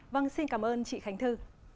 vâng xin cảm ơn chị khánh thư